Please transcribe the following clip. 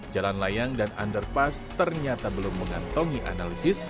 jalan layang dan underpass ternyata belum mengantongi analisis